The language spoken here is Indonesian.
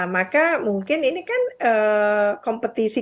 maka mungkin ini kan kompetisi